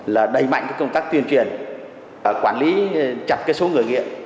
là đẩy mạnh công tác tuyên truyền quản lý chặt số người nghiện